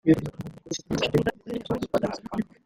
bakabasha kwiga imikorere yabo bakayizana ino mu Rwanda